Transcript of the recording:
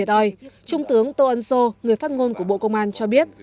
trung tướng tô ân sô người phát ngôn của bộ công an cho biết